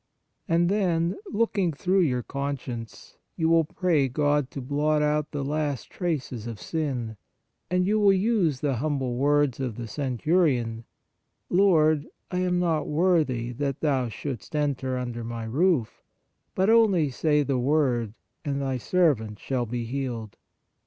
And then, looking through your conscience, you will pray God to blot out the last traces of sin ; and you will use the humble words of the centurion :" Lord, I am not worthy that thou shouldst enter under my roof: but only say the word, and thy servant shall be healed."